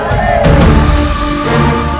mohon ampun gusti prabu